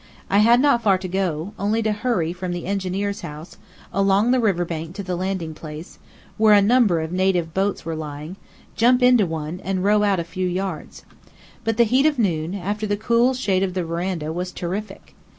I had not far to go; only to hurry from the engineer's house, along the riverbank to the landing place, where a number of native boats were lying; jump into one, and row out a few yards. But the heat of noon, after the cool shade of the veranda, was terrific.